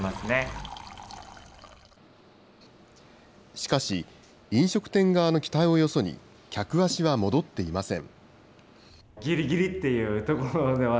しかし、飲食店側の期待をよそに、客足は戻っていません。